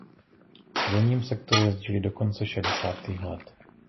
V civilním sektoru jezdily do konce šedesátých let.